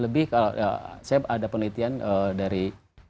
lebih kalau saya ada penelitian dari